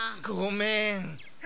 ごめん。